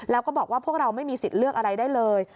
แล้วก็บอกว่าพวกเราไม่มีสิทธิ์เลือกอะไรได้เลย